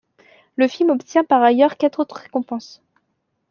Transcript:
Le film obtient par ailleurs quatre autres récompenses.